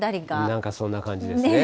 なんかそんな感じですね。